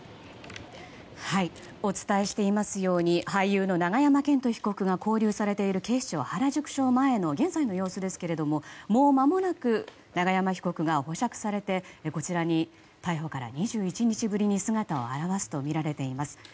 お伝えしていますように俳優の永山絢斗被告が勾留されている警視庁原宿署前の現在の様子ですが、もうまもなく永山被告が保釈されてこちらに、逮捕から２１日ぶりに姿を現すとみられています。